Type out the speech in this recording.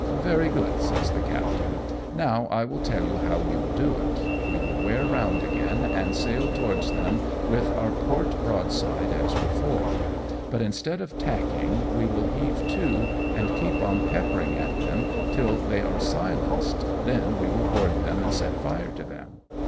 " Very good," says the captain ;" now I will tell you how we will do it. We will wear round again and sail towards them with our port broadside as before ; but instead of tacking, we will heave to, and keep on peppering at them till they are silenced, then we will board them and set fire to them.